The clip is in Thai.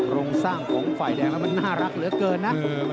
โครงสร้างของฝ่ายแดงแล้วมันน่ารักเหลือเกินนะ